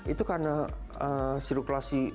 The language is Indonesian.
itu karena sirkulasi